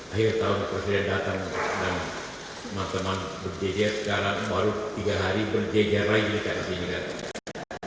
akhir tahun presiden datang dan teman teman berjajar sekarang baru tiga hari berjajar lagi di ksj